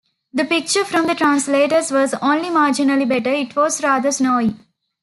The picture from the translators was only marginally better; it was rather snowy.